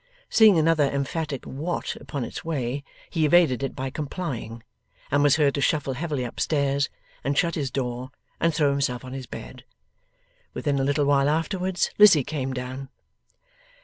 Seeing another emphatic 'What' upon its way, he evaded it by complying and was heard to shuffle heavily up stairs, and shut his door, and throw himself on his bed. Within a little while afterwards, Lizzie came down.